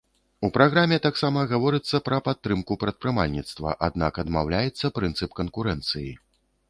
У праграме таксама гаворыцца пра падтрымку прадпрымальніцтва, аднак адмаўляецца прынцып канкурэнцыі.